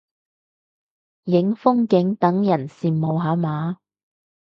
影風景等人羨慕下嘛